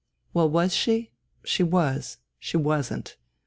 Well, was she ? She was. She wasn't.